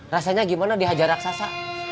rasanya gimana dihajar raksasa